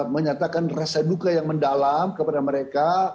menyatakan rasa duka yang mendalam kepada mereka